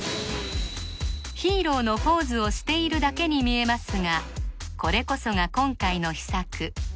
ヒーローのポーズをしているだけに見えますがこれこそが今回の秘策